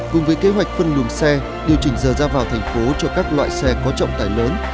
cùng với kế hoạch phân luồng xe điều chỉnh giờ ra vào thành phố cho các loại xe có trọng tải lớn